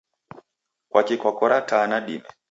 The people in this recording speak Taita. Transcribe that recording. Kwaki kwakora taa nadime?